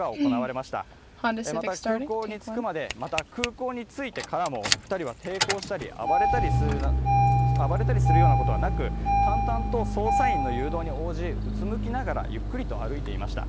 また、空港に着くまで、また空港に着いてからも２人は抵抗したり暴れたりするようなことはなくたんたんと捜査員の誘導に応じうつむきながらゆっくりと歩いていました。